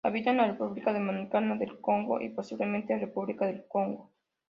Habita en República Democrática del Congo y posiblemente República del Congo.